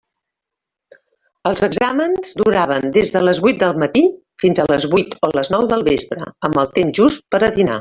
Els exàmens duraven des de les vuit del matí, fins a les vuit o les nou del vespre, amb el temps just per a dinar.